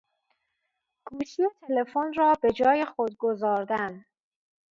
گوشی تلفون را بجای خود گذاردن